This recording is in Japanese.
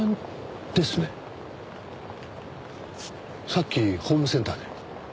さっきホームセンターで。